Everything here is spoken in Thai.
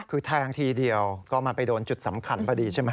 คือแทงทีเดียวก็มันไปโดนจุดสำคัญพอดีใช่ไหม